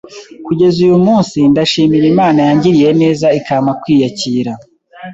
Kugeza uyu munsi ndashimira Imana yangiriye neza ikampa kwiyakira